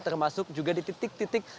termasuk juga di titik titik